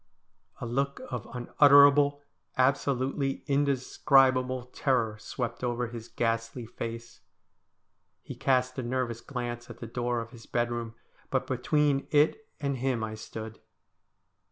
A look of unutterable, absolutely indescribable, terror swept over his ghastly face. He east a nervous glance at the door of his bedroom, but between it and him I stood.